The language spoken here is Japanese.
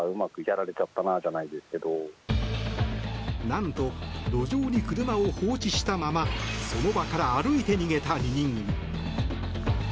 なんと路上に車を放置したままその場から歩いて逃げた２人組。